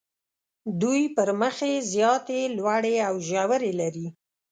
دوی پر مخ یې زیاتې لوړې او ژورې لري.